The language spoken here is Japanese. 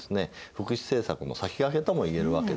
福祉政策の先駆けともいえるわけですね。